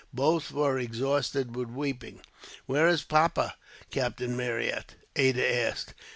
Both were exhausted with weeping. "Where is papa, Captain Marryat?" Ada asked.